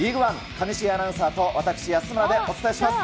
上重アナウンサーと私安村でお伝えします。